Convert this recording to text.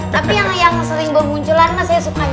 tapi yang sering berwunculan saya suka nyanyi